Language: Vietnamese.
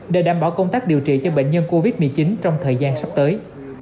để đảm bảo công tác điều trị cho bệnh nhân covid một mươi chín trong thời gian sắp tới